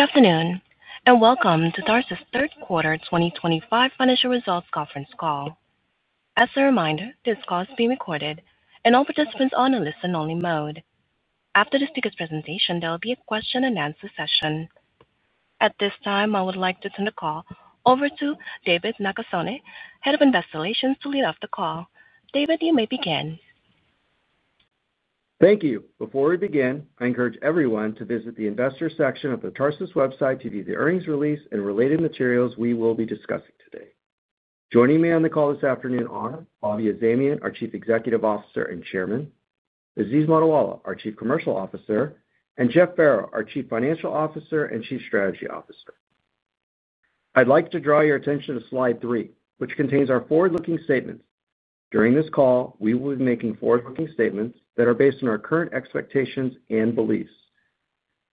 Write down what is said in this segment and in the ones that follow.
Good afternoon and welcome to Tarsus' third quarter 2025 financial results conference call. As a reminder, this call is being recorded, and all participants are on a listen-only mode. After the speaker's presentation, there will be a question-and-answer session. At this time, I would like to turn the call over to David Nakasone, Head of Investor Relations, to lead off the call. David, you may begin. Thank you. Before we begin, I encourage everyone to visit the investor section of the Tarsus website to view the earnings release and related materials we will be discussing today. Joining me on the call this afternoon are Bobak Azamian, our Chief Executive Officer and Chairman, Aziz Mottiwala, our Chief Commercial Officer, and Jeff Farrow, our Chief Financial Officer and Chief Strategy Officer. I'd like to draw your attention to slide three, which contains our forward-looking statements. During this call, we will be making forward-looking statements that are based on our current expectations and beliefs.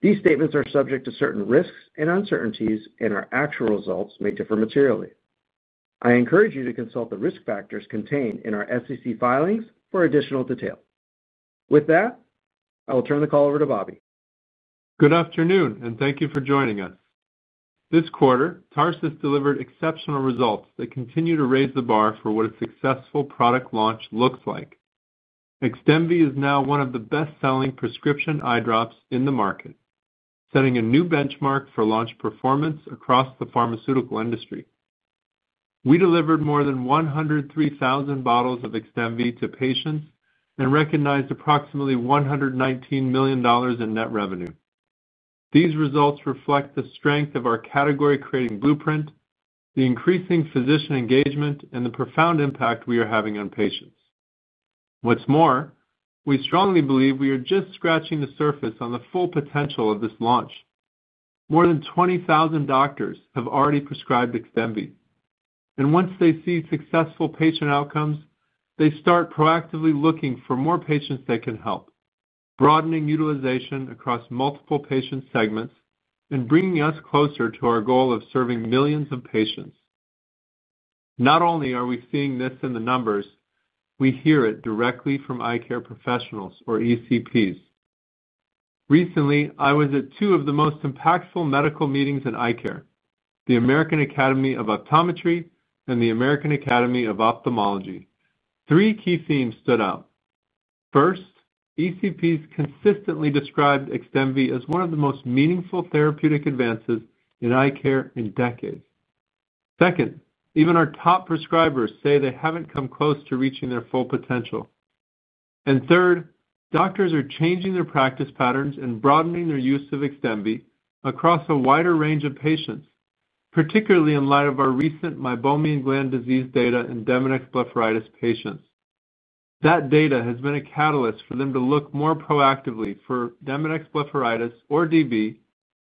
These statements are subject to certain risks and uncertainties, and our actual results may differ materially. I encourage you to consult the risk factors contained in our SEC filings for additional detail. With that, I will turn the call over to Bobak. Good afternoon, and thank you for joining us. This quarter, Tarsus delivered exceptional results that continue to raise the bar for what a successful product launch looks like. XDEMVY is now one of the best-selling prescription eye drops in the market, setting a new benchmark for launch performance across the pharmaceutical industry. We delivered more than 103,000 bottles of XDEMVY to patients and recognized approximately $119 million in net revenue. These results reflect the strength of our category-creating blueprint, the increasing physician engagement, and the profound impact we are having on patients. What's more, we strongly believe we are just scratching the surface on the full potential of this launch. More than 20,000 doctors have already prescribed XDEMVY, and once they see successful patient outcomes, they start proactively looking for more patients they can help, broadening utilization across multiple patient segments and bringing us closer to our goal of serving millions of patients. Not only are we seeing this in the numbers, we hear it directly from eye care professionals, or ECPs. Recently, I was at two of the most impactful medical meetings in eye care, the American Academy of Optometry and the American Academy of Ophthalmology. Three key themes stood out. First, ECPs consistently described XDEMVY as one of the most meaningful therapeutic advances in eye care in decades. Second, even our top prescribers say they haven't come close to reaching their full potential. Third, doctors are changing their practice patterns and broadening their use of XDEMVY across a wider range of patients, particularly in light of our recent meibomian gland disease data in Demodex blepharitis patients. That data has been a catalyst for them to look more proactively for Demodex blepharitis, or DB,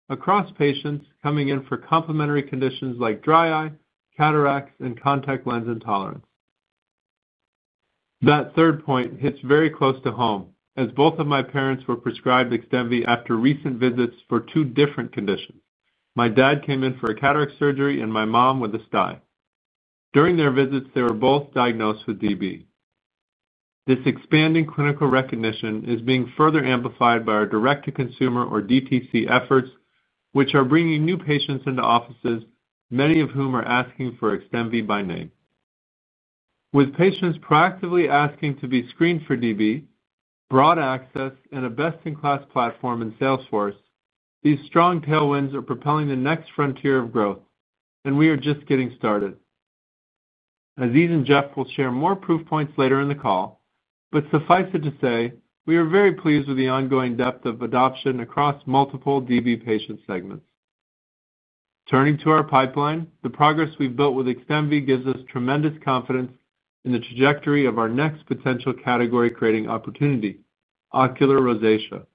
across patients coming in for complementary conditions like dry eye, cataracts, and contact lens intolerance. That third point hits very close to home, as both of my parents were prescribed XDEMVY after recent visits for two different conditions. My dad came in for a cataract surgery, and my mom with a stye. During their visits, they were both diagnosed with DB. This expanding clinical recognition is being further amplified by our direct-to-consumer, or DTC, efforts, which are bringing new patients into offices, many of whom are asking for XDEMVY by name. With patients proactively asking to be screened for DB, broad access, and a best-in-class platform in Salesforce, these strong tailwinds are propelling the next frontier of growth, and we are just getting started. Aziz and Jeff will share more proof points later in the call, but suffice it to say, we are very pleased with the ongoing depth of adoption across multiple DB patient segments. Turning to our pipeline, the progress we've built with XDEMVY gives us tremendous confidence in the trajectory of our next potential category-creating opportunity: ocular rosacea.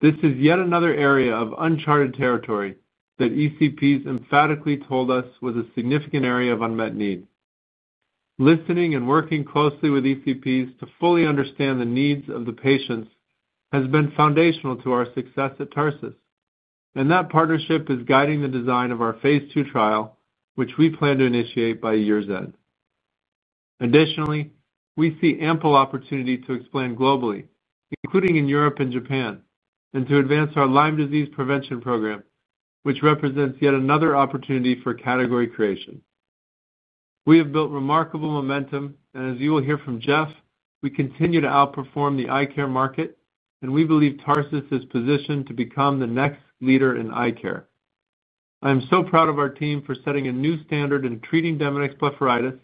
This is yet another area of uncharted territory that ECPs emphatically told us was a significant area of unmet need. Listening and working closely with ECPs to fully understand the needs of the patients has been foundational to our success at Tarsus, and that partnership is guiding the design of our phase II trial, which we plan to initiate by year's end. Additionally, we see ample opportunity to expand globally, including in Europe and Japan, and to advance our Lyme disease prevention program, which represents yet another opportunity for category creation. We have built remarkable momentum, and as you will hear from Jeff, we continue to outperform the eye care market, and we believe Tarsus is positioned to become the next leader in eye care. I am so proud of our team for setting a new standard in treating Demodex blepharitis,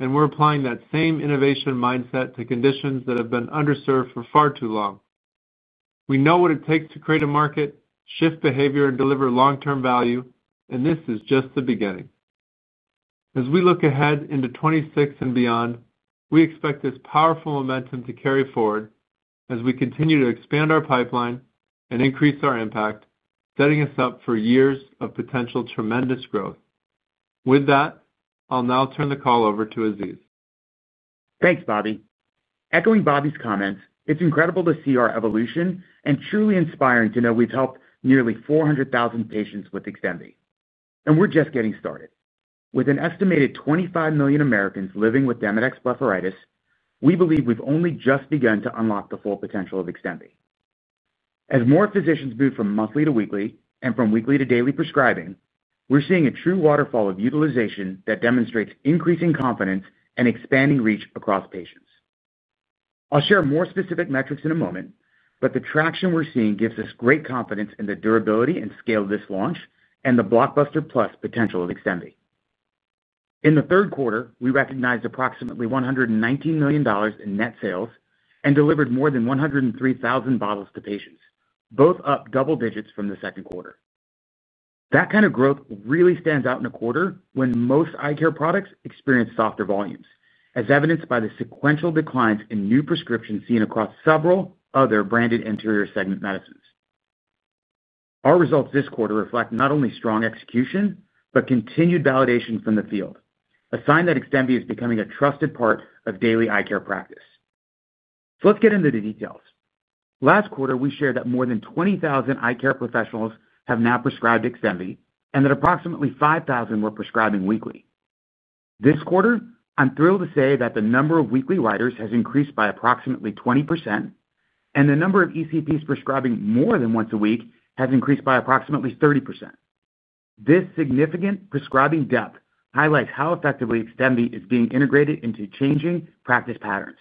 and we're applying that same innovation mindset to conditions that have been underserved for far too long. We know what it takes to create a market, shift behavior, and deliver long-term value, and this is just the beginning. As we look ahead into 2026 and beyond, we expect this powerful momentum to carry forward as we continue to expand our pipeline and increase our impact, setting us up for years of potential tremendous growth. With that, I'll now turn the call over to Aziz. Thanks, Bobby. Echoing Bobby's comments, it's incredible to see our evolution and truly inspiring to know we've helped nearly 400,000 patients with XDEMVY. And we're just getting started. With an estimated 25 million Americans living with Demodex blepharitis, we believe we've only just begun to unlock the full potential of XDEMVY. As more physicians move from monthly to weekly and from weekly to daily prescribing, we're seeing a true waterfall of utilization that demonstrates increasing confidence and expanding reach across patients. I'll share more specific metrics in a moment, but the traction we're seeing gives us great confidence in the durability and scale of this launch and the Blockbuster Plus potential of XDEMVY. In the third quarter, we recognized approximately $119 million in net sales and delivered more than 103,000 bottles to patients, both up double digits from the second quarter. That kind of growth really stands out in a quarter when most eye care products experience softer volumes, as evidenced by the sequential declines in new prescriptions seen across several other branded interior segment medicines. Our results this quarter reflect not only strong execution but continued validation from the field, a sign that XDEMVY is becoming a trusted part of daily eye care practice. So let's get into the details. Last quarter, we shared that more than 20,000 eye care professionals have now prescribed XDEMVY and that approximately 5,000 were prescribing weekly. This quarter, I'm thrilled to say that the number of weekly writers has increased by approximately 20%, and the number of ECPs prescribing more than once a week has increased by approximately 30%. This significant prescribing depth highlights how effectively XDEMVY is being integrated into changing practice patterns.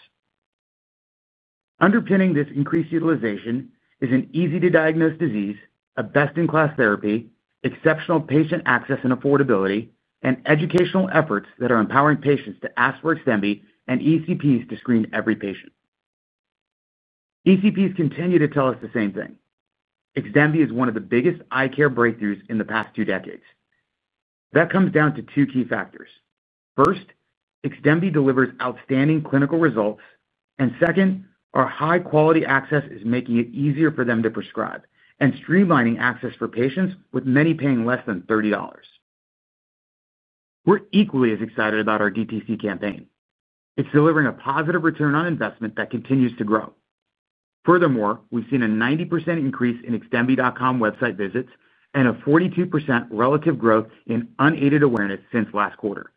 Underpinning this increased utilization is an easy-to-diagnose disease, a best-in-class therapy, exceptional patient access and affordability, and educational efforts that are empowering patients to ask for XDEMVY and ECPs to screen every patient. ECPs continue to tell us the same thing: XDEMVY is one of the biggest eye care breakthroughs in the past two decades. That comes down to two key factors. First, XDEMVY delivers outstanding clinical results, and second, our high-quality access is making it easier for them to prescribe and streamlining access for patients with many paying less than $30. We're equally as excited about our DTC campaign. It's delivering a positive return on investment that continues to grow. Furthermore, we've seen a 90% increase in XDEMVY.com website visits and a 42% relative growth in unaided awareness since last quarter.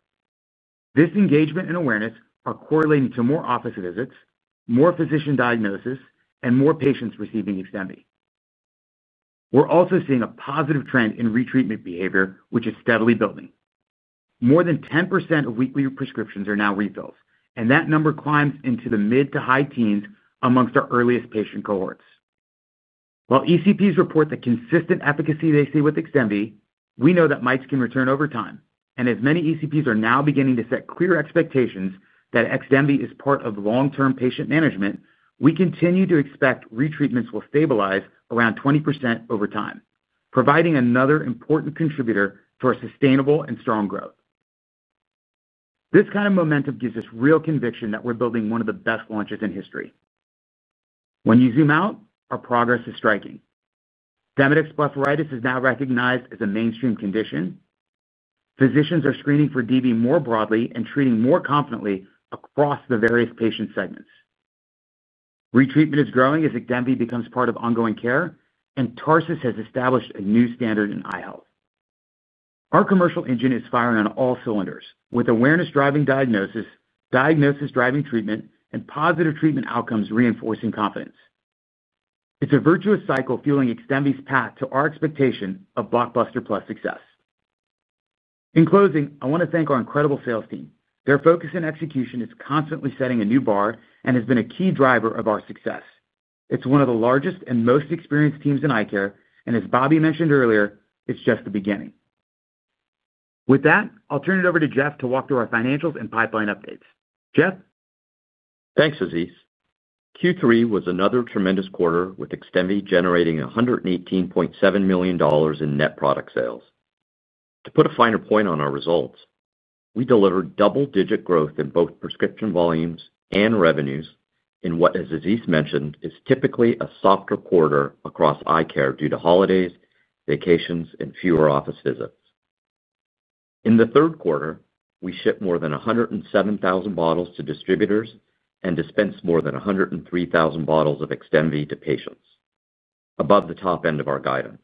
This engagement and awareness are correlating to more office visits, more physician diagnosis, and more patients receiving XDEMVY. We're also seeing a positive trend in retreatment behavior, which is steadily building. More than 10% of weekly prescriptions are now refills, and that number climbs into the mid to high-teens amongst our earliest patient cohorts. While ECPs report the consistent efficacy they see with XDEMVY, we know that might can return over time, and as many ECPs are now beginning to set clear expectations that XDEMVY is part of long-term patient management, we continue to expect retreatments will stabilize around 20% over time, providing another important contributor to our sustainable and strong growth. This kind of momentum gives us real conviction that we're building one of the best launches in history. When you zoom out, our progress is striking. Demodex blepharitis is now recognized as a mainstream condition. Physicians are screening for DB more broadly and treating more confidently across the various patient segments. Retreatment is growing as XDEMVY becomes part of ongoing care, and Tarsus has established a new standard in eye health. Our commercial engine is firing on all cylinders, with awareness-driving diagnosis, diagnosis-driving treatment, and positive treatment outcomes reinforcing confidence. It's a virtuous cycle fueling XDEMVY's path to our expectation of Blockbuster Plus success. In closing, I want to thank our incredible sales team. Their focus and execution is constantly setting a new bar and has been a key driver of our success. It's one of the largest and most experienced teams in eye care, and as Bobby mentioned earlier, it's just the beginning. With that, I'll turn it over to Jeff to walk through our financials and pipeline updates. Jeff? Thanks, Aziz. Q3 was another tremendous quarter with XDEMVY generating $118.7 million in net product sales. To put a finer point on our results, we delivered double-digit growth in both prescription volumes and revenues in what, as Aziz mentioned, is typically a softer quarter across eye care due to holidays, vacations, and fewer office visits. In the third quarter, we shipped more than 107,000 bottles to distributors and dispensed more than 103,000 bottles of XDEMVY to patients, above the top end of our guidance.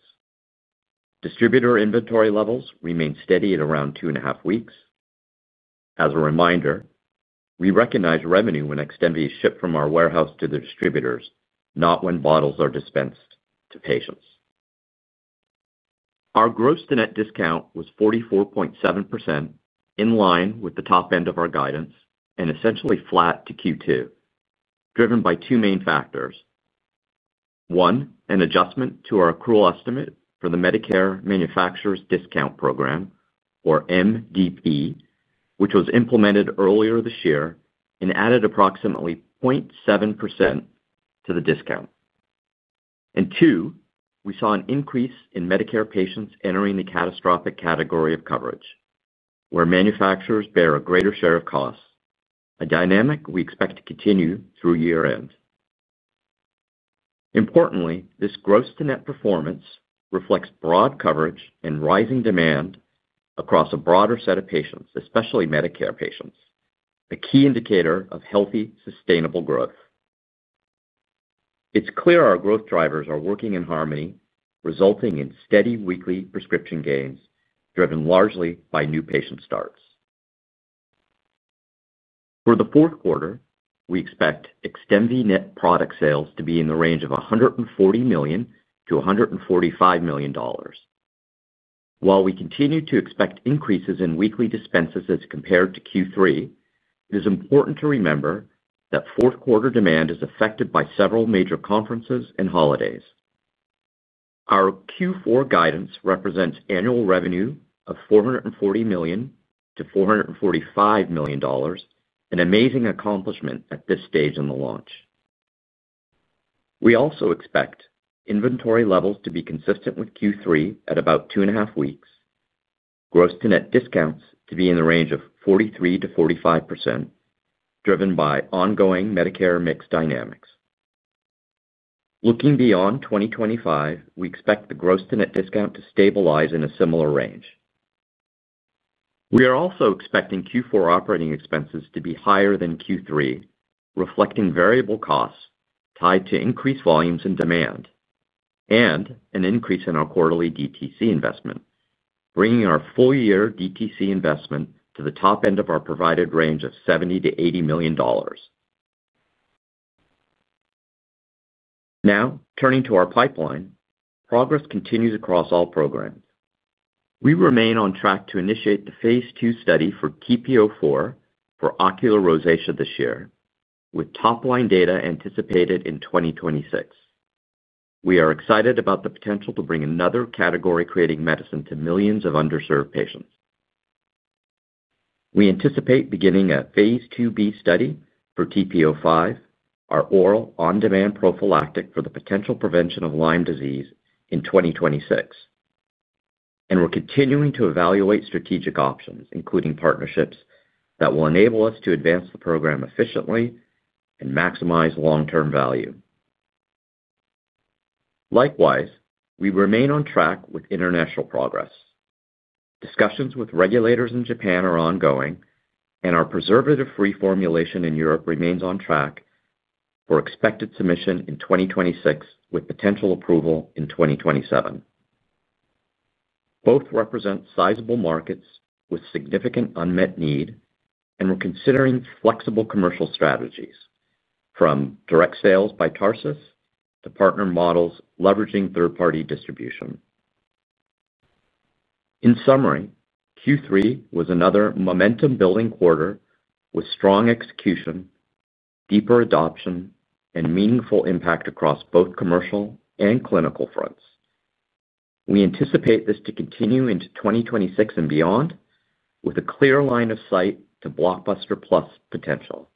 Distributor inventory levels remain steady at around two and a half weeks. As a reminder, we recognize revenue when XDEMVY is shipped from our warehouse to the distributors, not when bottles are dispensed to patients. Our gross to net discount was 44.7%, in line with the top end of our guidance and essentially flat to Q2, driven by two main factors. One, an adjustment to our accrual estimate for the Medicare Manufacturers Discount Program, or MDP, which was implemented earlier this year and added approximately 0.7% to the discount. And two, we saw an increase in Medicare patients entering the catastrophic category of coverage, where manufacturers bear a greater share of costs, a dynamic we expect to continue through year-end. Importantly, this gross to net performance reflects broad coverage and rising demand across a broader set of patients, especially Medicare patients, a key indicator of healthy, sustainable growth. It's clear our growth drivers are working in harmony, resulting in steady weekly prescription gains, driven largely by new patient starts. For the fourth quarter, we expect XDEMVY net product sales to be in the range of $140 million-$145 million. While we continue to expect increases in weekly dispenses as compared to Q3, it is important to remember that fourth-quarter demand is affected by several major conferences and holidays. Our Q4 guidance represents annual revenue of $440 million-$445 million, an amazing accomplishment at this stage in the launch. We also expect inventory levels to be consistent with Q3 at about two and a half weeks, gross to net discounts to be in the range of 43%-45%, driven by ongoing Medicare mix dynamics. Looking beyond 2025, we expect the gross to net discount to stabilize in a similar range. We are also expecting Q4 operating expenses to be higher than Q3, reflecting variable costs tied to increased volumes and demand, and an increase in our quarterly DTC investment, bringing our full-year DTC investment to the top end of our provided range of $70 million-$80 million. Now, turning to our pipeline, progress continues across all programs. We remain on track to initiate the phase II study for TP-04 for ocular rosacea this year, with top-line data anticipated in 2026. We are excited about the potential to bring another category-creating medicine to millions of underserved patients. We anticipate beginning a phase II B study for TP-05, our oral on-demand prophylactic for the potential prevention of Lyme disease in 2026. And we're continuing to evaluate strategic options, including partnerships that will enable us to advance the program efficiently and maximize long-term value. Likewise, we remain on track with international progress. Discussions with regulators in Japan are ongoing, and our preservative-free formulation in Europe remains on track for expected submission in 2026, with potential approval in 2027. Both represent sizable markets with significant unmet need, and we're considering flexible commercial strategies, from direct sales by Tarsus to partner models leveraging third-party distribution. In summary, Q3 was another momentum-building quarter with strong execution, deeper adoption, and meaningful impact across both commercial and clinical fronts. We anticipate this to continue into 2026 and beyond, with a clear line of sight to Blockbuster Plus potential.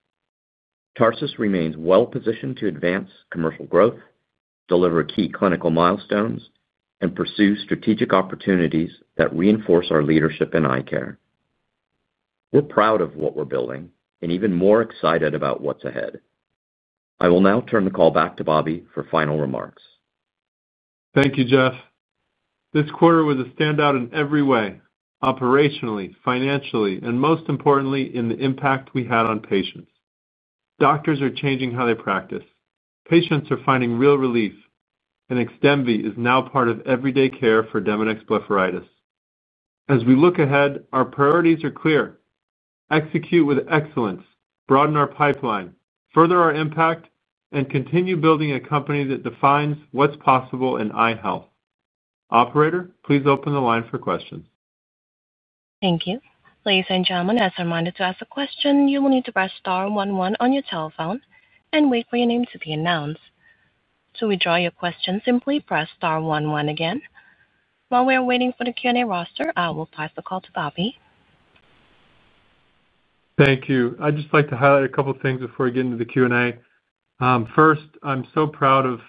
Tarsus remains well-positioned to advance commercial growth, deliver key clinical milestones, and pursue strategic opportunities that reinforce our leadership in eye care. We're proud of what we're building and even more excited about what's ahead. I will now turn the call back to Bobby for final remarks. Thank you, Jeff. This quarter was a standout in every way: operationally, financially, and most importantly, in the impact we had on patients. Doctors are changing how they practice. Patients are finding real relief, and XDEMVY is now part of everyday care for Demodex blepharitis. As we look ahead, our priorities are clear. Execute with excellence, broaden our pipeline, further our impact, and continue building a company that defines what's possible in eye health. Operator, please open the line for questions. Thank you. Ladies and gentlemen, as a reminder to ask a question, you will need to press star one one on your telephone and wait for your name to be announced. To withdraw your question, simply press star one one again. While we are waiting for the Q&A roster, I will pass the call to Bobby. Thank you. I'd just like to highlight a couple of things before I get into the Q&A. First, I'm so proud of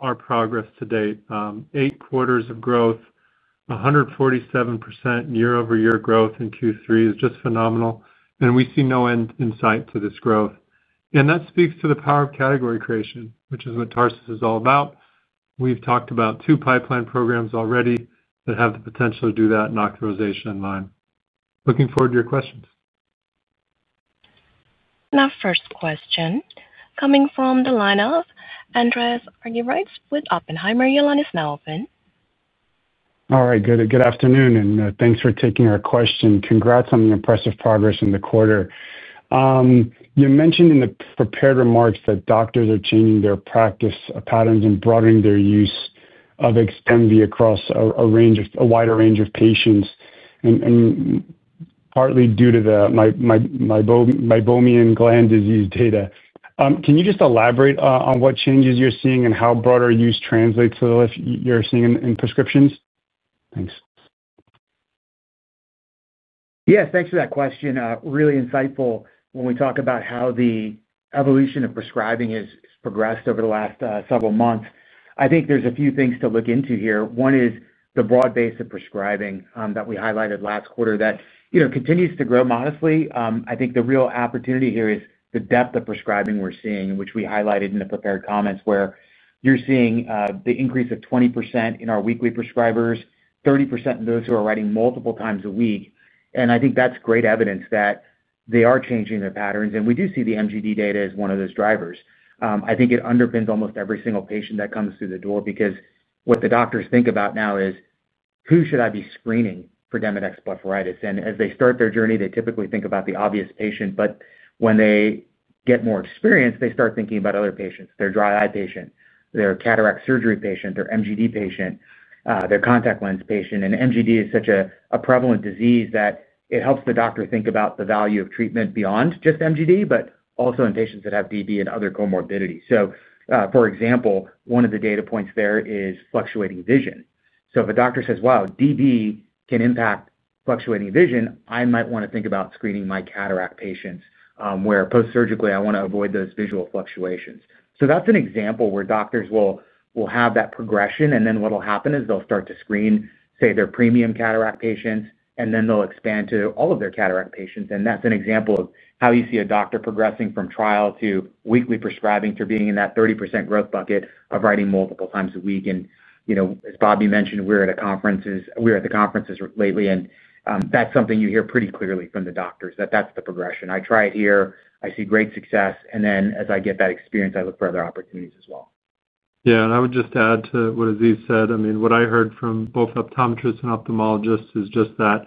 our progress to date: eight quarters of growth, 147% year-over-year growth in Q3 is just phenomenal, and we see no end in sight to this growth. And that speaks to the power of category creation, which is what Tarsus is all about. We've talked about two pipeline programs already that have the potential to do that in ocularization and Lyme. Looking forward to your questions. Now, first question coming from the line of Andreas Arnewright with Oppenheimer. Your line is now open. All right. Good afternoon, and thanks for taking our question. Congrats on the impressive progress in the quarter. You mentioned in the prepared remarks that doctors are changing their practice patterns and broadening their use of XDEMVY across a wide range of patients, partly due to the Meibomian gland disease data. Can you just elaborate on what changes you're seeing and how broader use translates to the lift you're seeing in prescriptions? Thanks. Yeah, thanks for that question. Really insightful when we talk about how the evolution of prescribing has progressed over the last several months. I think there's a few things to look into here. One is the broad base of prescribing that we highlighted last quarter that continues to grow modestly. I think the real opportunity here is the depth of prescribing we're seeing, which we highlighted in the prepared comments, where you're seeing the increase of 20% in our weekly prescribers, 30% in those who are writing multiple times a week. And I think that's great evidence that they are changing their patterns. And we do see the MGD data as one of those drivers. I think it underpins almost every single patient that comes through the door because what the doctors think about now is, "Who should I be screening for Demodex blepharitis?" And as they start their journey, they typically think about the obvious patient. But when they get more experienced, they start thinking about other patients: their dry eye patient, their cataract surgery patient, their MGD patient, their contact lens patient. And MGD is such a prevalent disease that it helps the doctor think about the value of treatment beyond just MGD, but also in patients that have DB and other comorbidities. So, for example, one of the data points there is fluctuating vision. So if a doctor says, "Wow, DB can impact fluctuating vision," I might want to think about screening my cataract patients, where post-surgically I want to avoid those visual fluctuations. So that's an example where doctors will have that progression, and then what'll happen is they'll start to screen, say, their premium cataract patients, and then they'll expand to all of their cataract patients. And that's an example of how you see a doctor progressing from trial to weekly prescribing to being in that 30% growth bucket of writing multiple times a week. And as Bobby mentioned, we're at a conference. We're at the conferences lately, and that's something you hear pretty clearly from the doctors, that that's the progression. I try it here. I see great success. And then as I get that experience, I look for other opportunities as well. Yeah. And I would just add to what Aziz said. I mean, what I heard from both optometrists and ophthalmologists is just that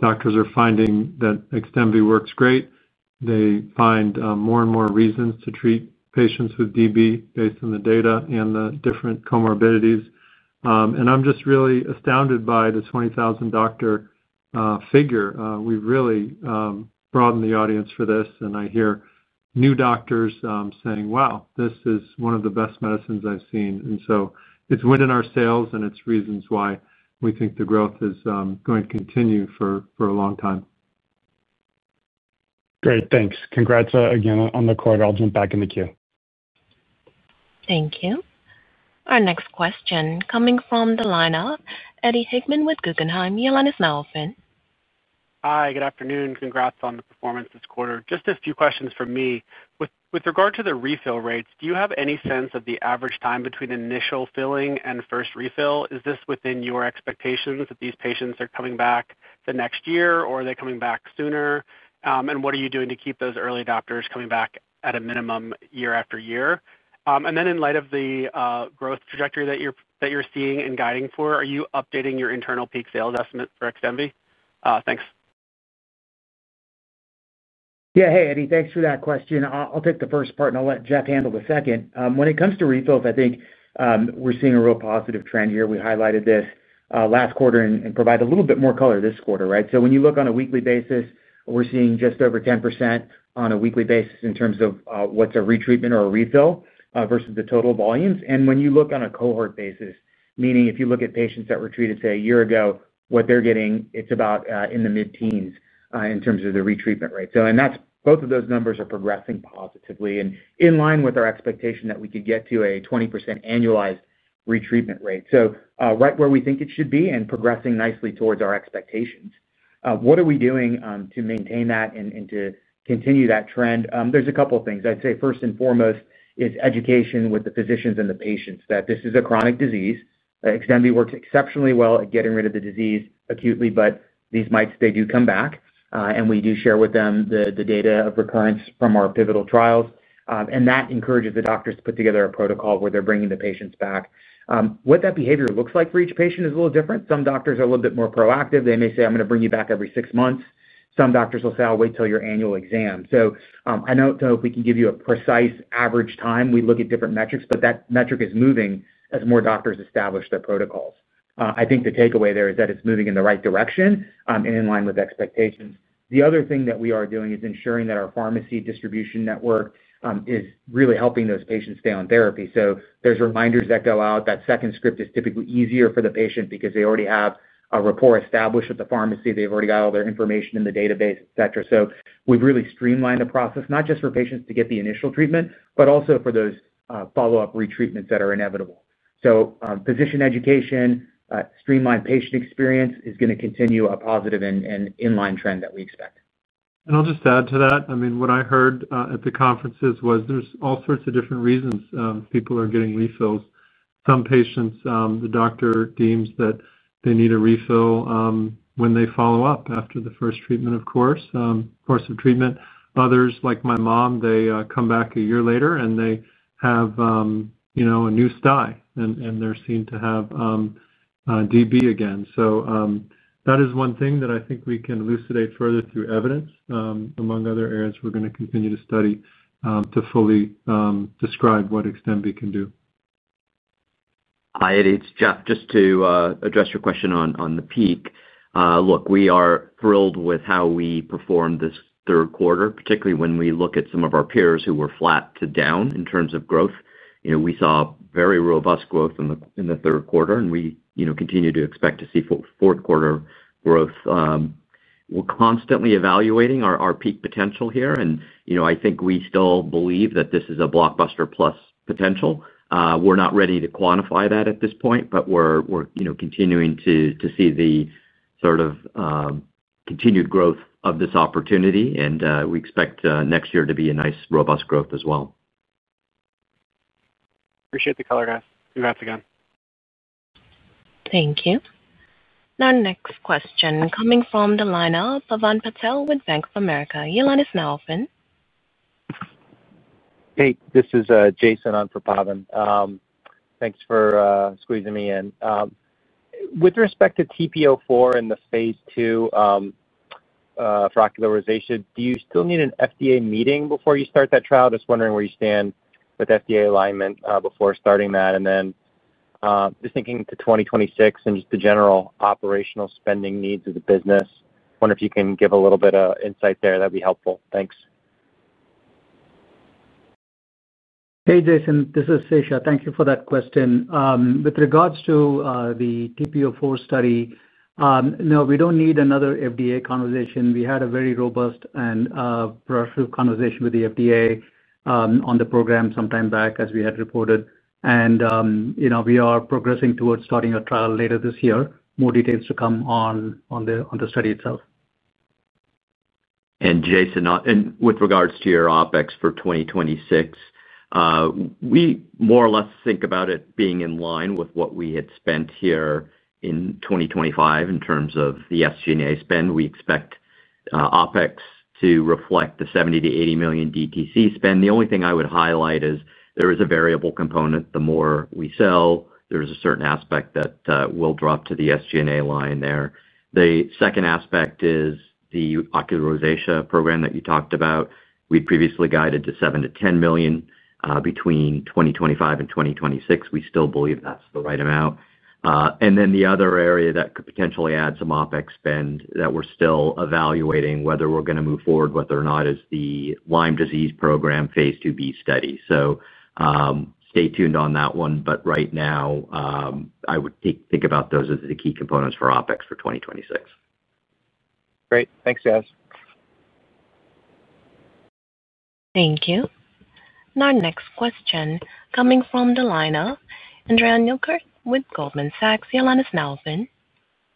doctors are finding that XDEMVY works great. They find more and more reasons to treat patients with DB based on the data and the different comorbidities. And I'm just really astounded by the 20,000-doctor figure. We've really broadened the audience for this, and I hear new doctors saying, "Wow, this is one of the best medicines I've seen." And so it's winning our sales, and it's reasons why we think the growth is going to continue for a long time. Great. Thanks. Congrats again on the quarter. I'll jump back in the queue. Thank you. Our next question coming from the line of Eddie Hickman with Guggenheim. Your line is now open. Hi. Good afternoon. Congrats on the performance this quarter. Just a few questions for me. With regard to the refill rates, do you have any sense of the average time between initial filling and first refill? Is this within your expectations that these patients are coming back the next year, or are they coming back sooner? And what are you doing to keep those early adopters coming back at a minimum year after year? And then, in light of the growth trajectory that you're seeing and guiding for, are you updating your internal peak sales estimate for XDEMVY? Thanks. Yeah. Hey, Eddie, thanks for that question. I'll take the first part, and I'll let Jeff handle the second. When it comes to refills, I think we're seeing a real positive trend here. We highlighted this last quarter and provided a little bit more color this quarter, right? So when you look on a weekly basis, we're seeing just over 10% on a weekly basis in terms of what's a retreatment or a refill versus the total volumes. And when you look on a cohort basis, meaning if you look at patients that were treated, say, a year ago, what they're getting, it's about in the mid-teens in terms of the retreatment rate. And both of those numbers are progressing positively and in line with our expectation that we could get to a 20% annualized retreatment rate. So right where we think it should be and progressing nicely towards our expectations. What are we doing to maintain that and to continue that trend? There's a couple of things. I'd say first and foremost is education with the physicians and the patients that this is a chronic disease. XDEMVY works exceptionally well at getting rid of the disease acutely, but these mites do come back, and we do share with them the data of recurrence from our pivotal trials. And that encourages the doctors to put together a protocol where they're bringing the patients back. What that behavior looks like for each patient is a little different. Some doctors are a little bit more proactive. They may say, "I'm going to bring you back every six months." Some doctors will say, "I'll wait till your annual exam." So I don't know if we can give you a precise average time. We look at different metrics, but that metric is moving as more doctors establish their protocols. I think the takeaway there is that it's moving in the right direction and in line with expectations. The other thing that we are doing is ensuring that our pharmacy distribution network is really helping those patients stay on therapy. So there's reminders that go out. That second script is typically easier for the patient because they already have a rapport established with the pharmacy. They've already got all their information in the database, etc. So we've really streamlined the process, not just for patients to get the initial treatment, but also for those follow-up retreatments that are inevitable. So physician education, streamlined patient experience is going to continue a positive and inline trend that we expect. And I'll just add to that. I mean, what I heard at the conferences was there's all sorts of different reasons people are getting refills. Some patients, the doctor deems that they need a refill when they follow up after the first treatment, of course, course of treatment. Others, like my mom, they come back a year later, and they have a new stye, and they're seen to have DB again. So that is one thing that I think we can elucidate further through evidence. Among other areas, we're going to continue to study to fully describe what XDEMVY can do. Hi, Eddie. It's Jeff. Just to address your question on the peak, look, we are thrilled with how we performed this third quarter, particularly when we look at some of our peers who were flat to down in terms of growth. We saw very robust growth in the third quarter, and we continue to expect to see fourth-quarter growth. We're constantly evaluating our peak potential here, and I think we still believe that this is a Blockbuster Plus potential. We're not ready to quantify that at this point, but we're continuing to see the sort of continued growth of this opportunity, and we expect next year to be a nice, robust growth as well. Appreciate the color, guys. Congrats again. Thank you. Now, next question coming from the line of Pavan Patel with Bank of America. Your line is now open. Hey, this is Jason on for Pavan. Thanks for squeezing me in. With respect to TP-04 and the phase II for ocular rosacea, do you still need an FDA meeting before you start that trial? Just wondering where you stand with FDA alignment before starting that. And then just thinking to 2026 and just the general operational spending needs of the business, wonder if you can give a little bit of insight there. That'd be helpful. Thanks. Hey, Jason. This is Sesha. Thank you for that question. With regards to the TP-04 study. No, we don't need another FDA conversation. We had a very robust and progressive conversation with the FDA on the program sometime back, as we had reported. And we are progressing towards starting a trial later this year. More details to come on the study itself. And Jason, with regards to your OpEx for 2026. We more or less think about it being in line with what we had spent here in 2025 in terms of the SG&A spend. We expect OpEx to reflect the $70 million-$80 million DTC spend. The only thing I would highlight is there is a variable component. The more we sell, there is a certain aspect that will drop to the SG&A line there. The second aspect is the ocularization program that you talked about. We previously guided to $7 million-$10 million between 2025 and 2026. We still believe that's the right amount. And then the other area that could potentially add some OpEx spend that we're still evaluating whether we're going to move forward with or not is the Lyme disease program phase II B study. So, stay tuned on that one but right now, I would think about those as the key components for OpEx for 2026. Great. Thanks, guys. Thank you. Now, next question coming from the line of Andrea Newkirk with Goldman Sachs. Your line is now open.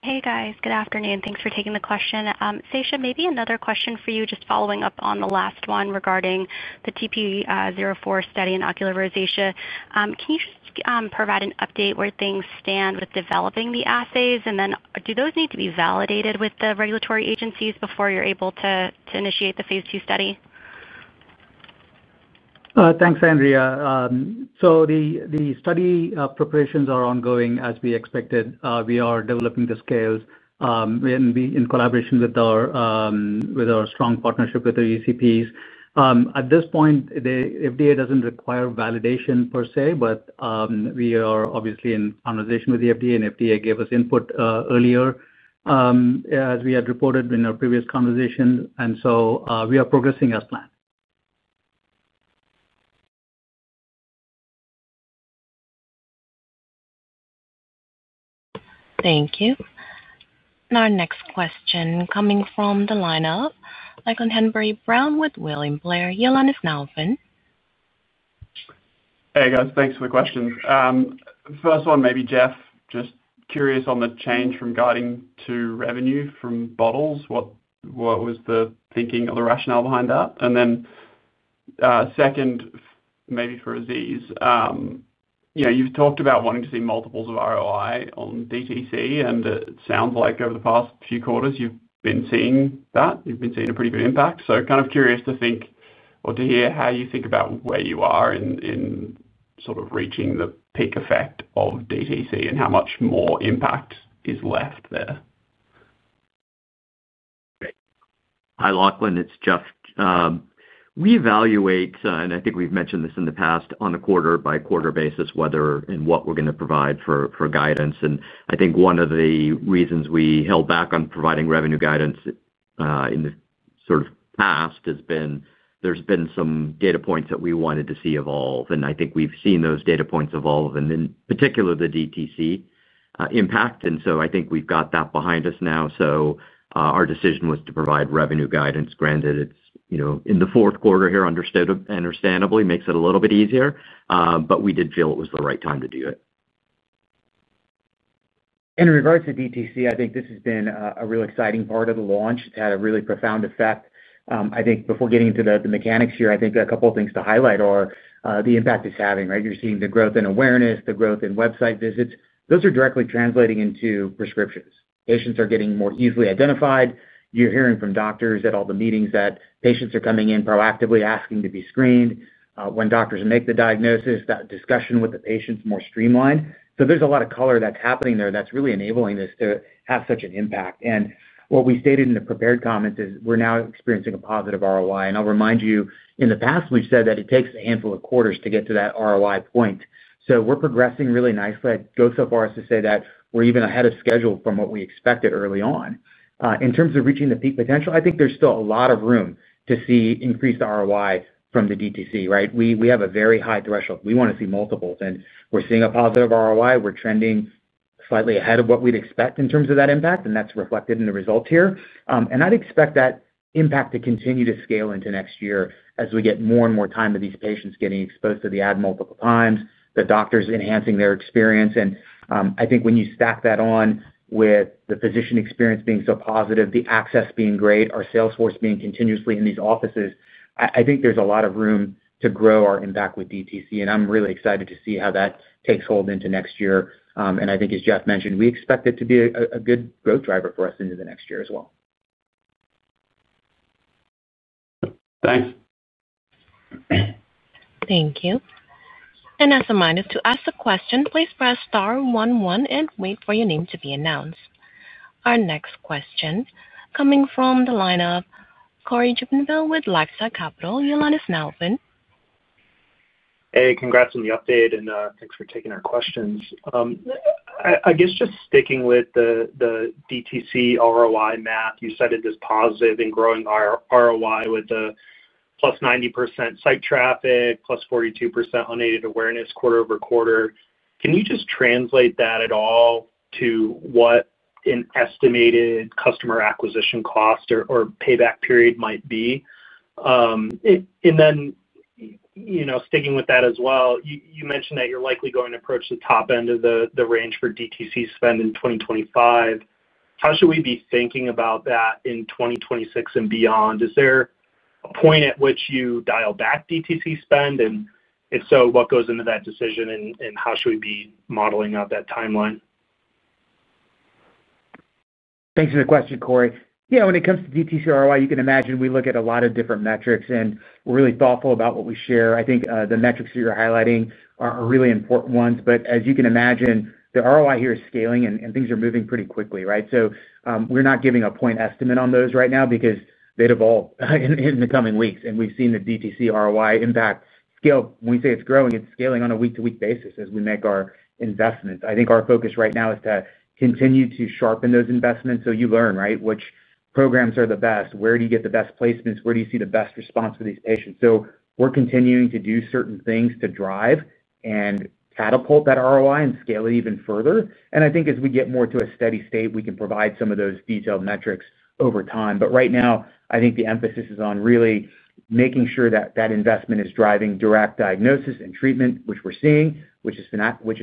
Hey, guys. Good afternoon. Thanks for taking the question. Sesha, maybe another question for you, just following up on the last one regarding the TP-04 study and ocular rosacea. Can you just provide an update where things stand with developing the assays? And then do those need to be validated with the regulatory agencies before you're able to initiate the phase II study? Thanks, Adrienne. So the study preparations are ongoing, as we expected. We are developing the scales in collaboration with our strong partnership with the ECPs. At this point, the FDA doesn't require validation per se, but we are obviously in conversation with the FDA, and the FDA gave us input earlier, as we had reported in our previous conversation, and so we are progressing as planned. Thank you. Now, next question coming from the line of Lachlan Hanbury-Brown with William Blair. Your line is now open. Hey, guys. Thanks for the questions. First one, maybe, Jeff, just curious on the change from guiding to revenue from bottles. What was the thinking or the rationale behind that? And then, second, maybe for Aziz. You've talked about wanting to see multiples of ROI on DTC, and it sounds like over the past few quarters you've been seeing that. You've been seeing a pretty good impact. So kind of curious to think or to hear how you think about where you are in sort of reaching the peak effect of DTC and how much more impact is left there. Hi, Lachlan. It's Jeff. We evaluate, and I think we've mentioned this in the past, on a quarter-by-quarter basis whether and what we're going to provide for guidance. And I think one of the reasons we held back on providing revenue guidance in the sort of past has been there's been some data points that we wanted to see evolve, and I think we've seen those data points evolve, and in particular, the DTC impact. And so I think we've got that behind us now. So our decision was to provide revenue guidance. Granted, it's in the fourth quarter here, understandably, makes it a little bit easier, but we did feel it was the right time to do it. In regards to DTC, I think this has been a real exciting part of the launch. It's had a really profound effect. I think before getting into the mechanics here, I think a couple of things to highlight are the impact it's having, right? You're seeing the growth in awareness, the growth in website visits. Those are directly translating into prescriptions. Patients are getting more easily identified. You're hearing from doctors at all the meetings that patients are coming in proactively asking to be screened. When doctors make the diagnosis, that discussion with the patient's more streamlined. So there's a lot of color that's happening there that's really enabling this to have such an impact. And what we stated in the prepared comments is we're now experiencing a positive ROI. And I'll remind you, in the past, we've said that it takes a handful of quarters to get to that ROI point. So we're progressing really nicely. I'd go so far as to say that we're even ahead of schedule from what we expected early on. In terms of reaching the peak potential, I think there's still a lot of room to see increased ROI from the DTC, right? We have a very high threshold. We want to see multiples. We're seeing a positive ROI. We're trending slightly ahead of what we'd expect in terms of that impact, and that's reflected in the results here. And I'd expect that impact to continue to scale into next year as we get more and more time with these patients getting exposed to the ad multiple times, the doctors enhancing their experience. I think when you stack that on with the physician experience being so positive, the access being great, our sales force being continuously in these offices, I think there's a lot of room to grow our impact with DTC. I'm really excited to see how that takes hold into next year. And I think, as Jeff mentioned, we expect it to be a good growth driver for us into the next year as well. Thanks. Thank you. And as a reminder to ask a question, please press star one one and wait for your name to be announced. Our next question coming from the line of Cory Jubinville with LifeSci Capital. Your line is now open. Hey, congrats on the update, and thanks for taking our questions. I guess just sticking with the DTC ROI math, you cited this positive and growing ROI with a 90%+ site traffic, 42%+ unaided awareness quarter-over-quarter. Can you just translate that at all to what an estimated customer acquisition cost or payback period might be? And then, sticking with that as well, you mentioned that you're likely going to approach the top end of the range for DTC spend in 2025. How should we be thinking about that in 2026 and beyond? Is there a point at which you dial back DTC spend? And if so, what goes into that decision, and how should we be modeling out that timeline? Thanks for the question, Cory. Yeah, when it comes to DTC ROI, you can imagine we look at a lot of different metrics, and we're really thoughtful about what we share. I think the metrics that you're highlighting are really important ones, but as you can imagine, the ROI here is scaling, and things are moving pretty quickly, right, so we're not giving a point estimate on those right now because they'd evolve in the coming weeks, and we've seen the DTC ROI impact scale. When we say it's growing, it's scaling on a week-to-week basis as we make our investments. I think our focus right now is to continue to sharpen those investments, so you learn, right? Which programs are the best? Where do you get the best placements where do you see the best response for these patients, so we're continuing to do certain things to drive and catapult that ROI and scale it even further, and I think as we get more to a steady state, we can provide some of those detailed metrics over time, but right now, I think the emphasis is on really making sure that that investment is driving direct diagnosis and treatment, which we're seeing, which is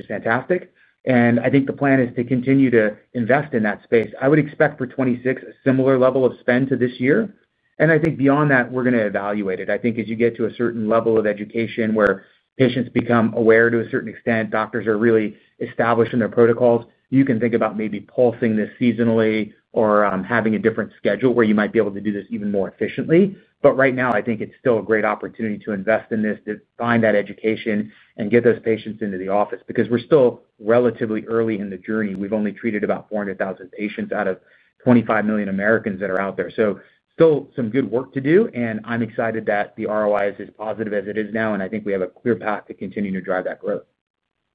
fantastic, and I think the plan is to continue to invest in that space. I would expect for 2026 a similar level of spend to this year, and I think beyond that, we're going to evaluate it. I think as you get to a certain level of education where patients become aware to a certain extent, doctors are really establishing their protocols, you can think about maybe pulsing this seasonally or having a different schedule where you might be able to do this even more efficiently, but right now, I think it's still a great opportunity to invest in this, to find that education, and get those patients into the office because we're still relatively early in the journey. We've only treated about 400,000 patients out of 25 million Americans that are out there, so still some good work to do, and I'm excited that the ROI is as positive as it is now, and I think we have a clear path to continue to drive that growth.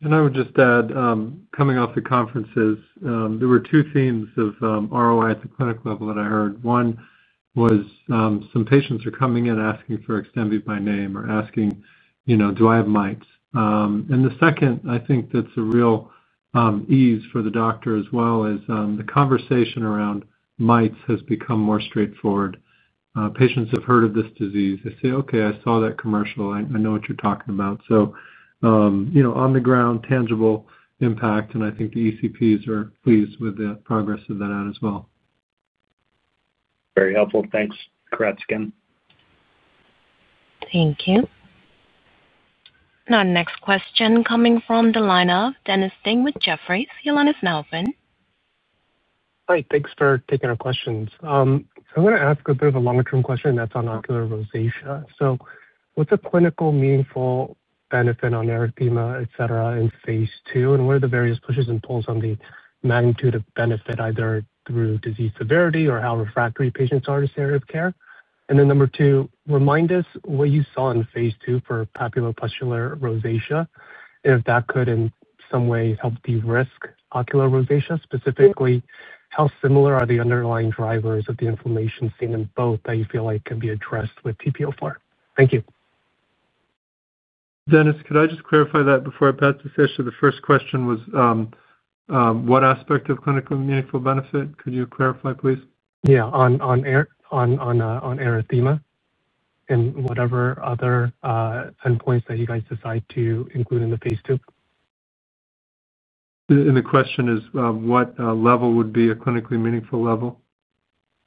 And I would just add, coming off the conferences, there were two themes of ROI at the clinic level that I heard. One was some patients are coming in asking for XDEMVY by name or asking, "Do I have mites?" And the second, I think that's a real ease for the doctor as well is the conversation around mites has become more straightforward. Patients have heard of this disease. They say, "Okay, I saw that commercial. I know what you're talking about." So, on-the-ground, tangible impact, and I think the ECPs are pleased with the progress of that as well. Very helpful. Thanks. Congrats again. Thank you. Now, next question coming from the line of Dennis Ding with Jefferies. Your line is now open. Hi. Thanks for taking our questions. I'm going to ask a bit of a longer-term question that's on ocular rosacea. So what's a clinically meaningful benefit on erythema, etc., in phase II, and what are the various pushes and pulls on the magnitude of benefit, either through disease severity or how refractory patients are to standard of care? And then number two, remind us what you saw in phase II for papulopustular rosacea and if that could in some way help de-risk ocular rosacea. Specifically, how similar are the underlying drivers of the inflammation seen in both that you feel like can be addressed with TP-04? Thank you. Dennis, could I just clarify that before I pass the session? The first question was: What aspect of clinical meaningful benefit? Could you clarify, please? Yeah. On erythema and whatever other endpoints that you guys decide to include in the phase II. The question is, what level would be a clinically meaningful level?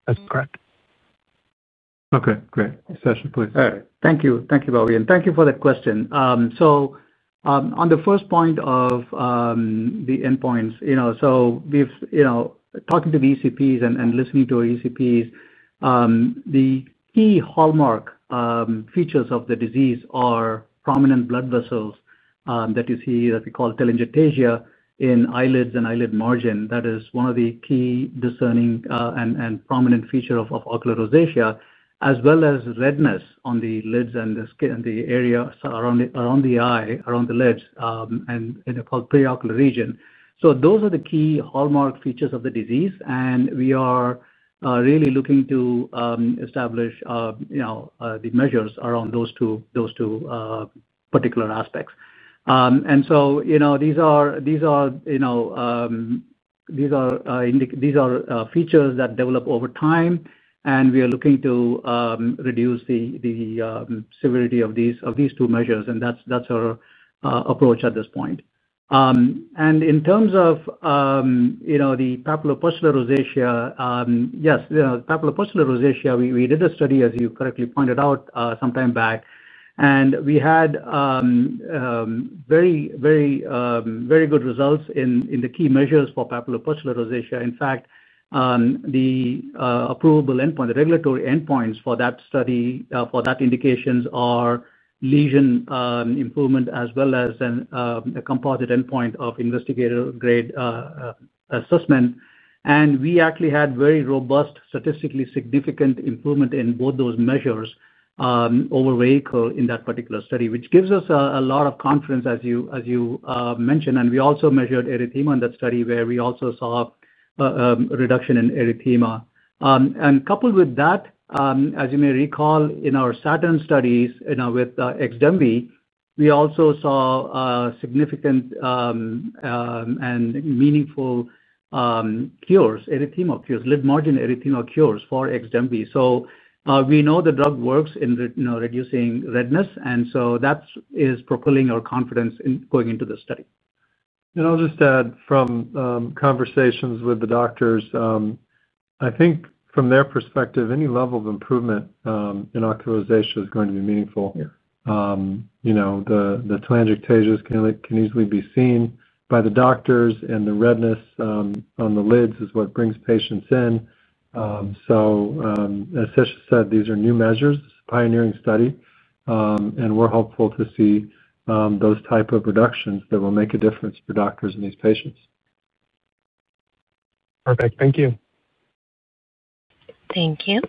That's correct. Okay. Great. All right. Thank you, and thank you for that question. On the first point of the endpoints, talking to the ECPs and listening to our ECPs. The key hallmark features of the disease are prominent blood vessels that you see that we call telangiectasia in eyelids and eyelid margin. That is one of the key discerning and prominent features of ocular rosacea, as well as redness on the lids and the area around the eye, around the lids, and in the preauricular region. Those are the key hallmark features of the disease, and we are really looking to establish the measures around those two particular aspects. And so these are features that develop over time, and we are looking to reduce the severity of these two measures. And that's our approach at this point. And in terms of the papulopustular rosacea, yes, the papulopustular rosacea, we did a study, as you correctly pointed out, sometime back, and we had very good results in the key measures for papulopustular rosacea. In fact the approval endpoint, the regulatory endpoints for that study, for that indications are lesion improvement as well as a composite endpoint of investigator-grade assessment. And we actually had very robust, statistically significant improvement in both those measures in that particular study, which gives us a lot of confidence, as you mentioned. And we also measured erythema in that study where we also saw reduction in erythema. And coupled with that, as you may recall, in our Saturn studies with XDEMVY, we also saw significant and meaningful cures, erythema cures, lid margin erythema cures for XDEMVY. We know the drug works in reducing redness, and that is propelling our confidence in going into the study. I'll just add from conversations with the doctors. I think from their perspective, any level of improvement in ocular rosacea is going to be meaningful. The telangiectasias can easily be seen by the doctors, and the redness on the lids is what brings patients in. As Sessha said, these are new measures, pioneering study. We're hopeful to see those type of reductions that will make a difference for doctors and these patients. Perfect. Thank you. Thank you.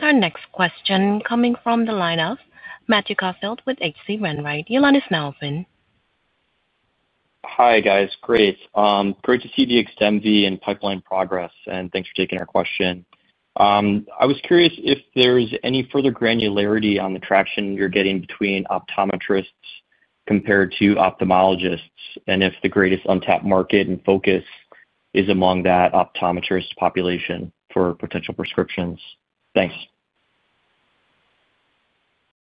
Our next question coming from the line of Matthew Caufield with H.C. Wainwright. Your line is now open. Hi, guys. Great. Great to see the XDEMVY and pipeline progress, and thanks for taking our question. I was curious if there's any further granularity on the traction you're getting between optometrists compared to ophthalmologists and if the greatest untapped market and focus is among that optometrist population for potential prescriptions. Thanks.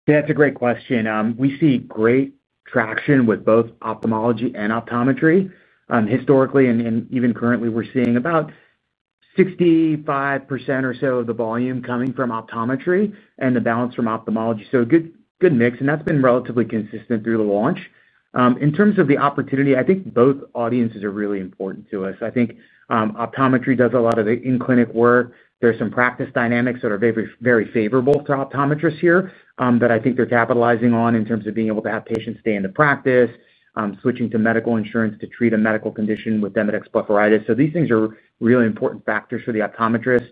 Yeah, it's a great question. We see great traction with both ophthalmology and optometry. Historically and even currently, we're seeing about 65% or so of the volume coming from optometry and the balance from ophthalmology, so good mix, and that's been relatively consistent through the launch. In terms of the opportunity, I think both audiences are really important to us. I think optometry does a lot of the in-clinic work. There's some practice dynamics that are very favorable to optometrists here that I think they're capitalizing on in terms of being able to have patients stay in the practice, switching to medical insurance to treat a medical condition with Demodex blepharitis, so these things are really important factors for the optometrist.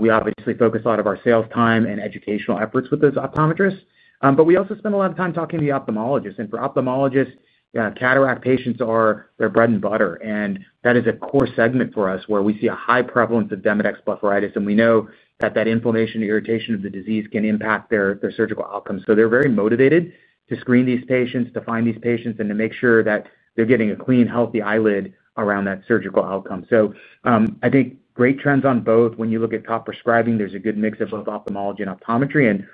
We obviously focus a lot of our sales time and educational efforts with those optometrists, but we also spend a lot of time talking to the ophthalmologists, and for ophthalmologists, cataract patients, they're bread and butter, and that is a core segment for us where we see a high prevalence of Demodex blepharitis, and we know that that inflammation and irritation of the disease can impact their surgical outcome, so they're very motivated to screen these patients, to find these patients, and to make sure that they're getting a clean, healthy eyelid around that surgical outcome, so I think great trends on both. When you look at top prescribing, there's a good mix of both ophthalmology and optometry, and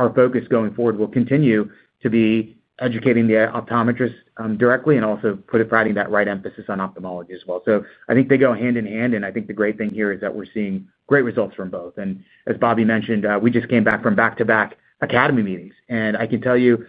our focus going forward will continue to be educating the optometrist directly and also providing that right emphasis on ophthalmology as well, so I think they go hand in hand, and I think the great thing here is that we're seeing great results from both. As Bobby mentioned, we just came back from back-to-back academy meetings, and I can tell you,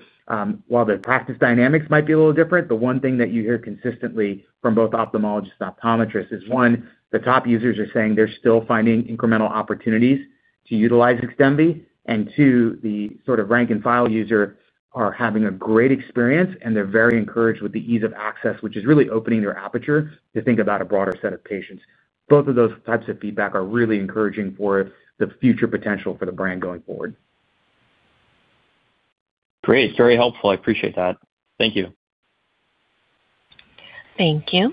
while the practice dynamics might be a little different, the one thing that you hear consistently from both ophthalmologists and optometrists is, one, the top users are saying they're still finding incremental opportunities to utilize XDEMVY, and two, the sort of rank-and-file users are having a great experience, and they're very encouraged with the ease of access, which is really opening their aperture to think about a broader set of patients. Both of those types of feedback are really encouraging for the future potential for the brand going forward. Great. Very helpful. I appreciate that. Thank you. Thank you.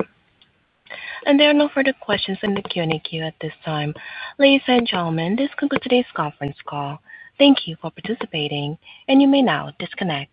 And there are no further questions in the Q&A queue at this time. Ladies and gentlemen, this concludes today's conference call. Thank you for participating, and you may now disconnect.